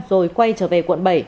rồi quay trở về quận bảy